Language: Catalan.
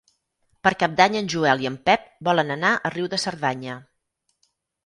Per Cap d'Any en Joel i en Pep volen anar a Riu de Cerdanya.